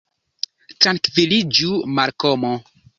Trankviliĝu, Malkomo.